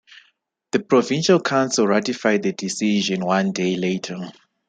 The Provincial Council ratified the decision one day later.